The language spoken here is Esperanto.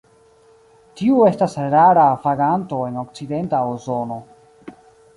Tiu estas rara vaganto en okcidenta Usono.